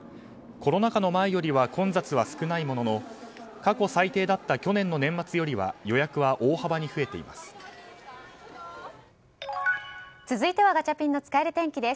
コロナ禍の前よりは混雑は少ないものの過去最低だった去年の年末よりは続いてはガチャピンの使える天気です。